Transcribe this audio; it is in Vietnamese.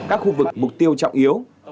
các khu vực mục tiêu trọng yếu